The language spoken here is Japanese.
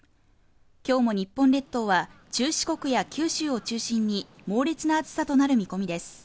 今日も日本列島は中四国や九州を中心に猛烈な暑さとなる見込みです